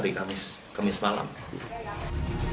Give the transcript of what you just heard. terungkapnya aksi keji seorang dukun pengganaan uang yang meracuni korbannya